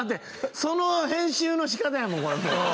その編集の仕方やもん、これ。